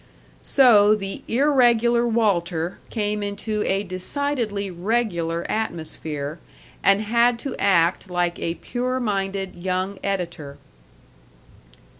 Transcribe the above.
So the irregular Walter came into a decidedly regular atmosphere and had to act like a pure minded young editor.